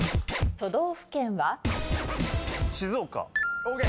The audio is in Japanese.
都道府県は？